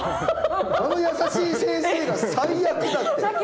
あの優しい先生が「最悪」だってえっ！？